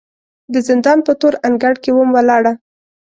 د زندان په تور انګړ کې وم ولاړه